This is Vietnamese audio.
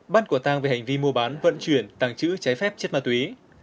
bắt quả tang về hành vi mua bán vận chuyển tàng trữ trái phép chất ma túy